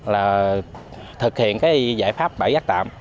là thực hiện giải pháp bãi rác tạm